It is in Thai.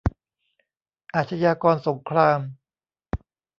อาชญากรสงคราม